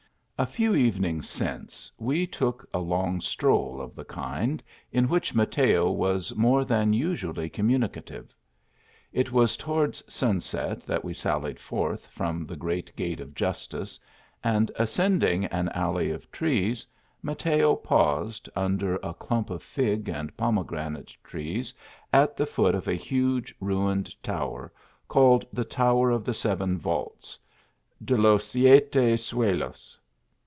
A few evenings since we took a long stroll of the kind, in which Mateo was more than usually com municative. It was towards sunset that we sallied forth from the great Gate of Justice, and ascending an alley of trees, Mateo paused under a clump of fig and pomegranate trees at the foot of a huge ruined tower, called the Tower of the Seven Vaults, (de los siete suelos.)